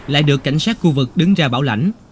lại được cảnh sát khu vực đứng ra bảo lãnh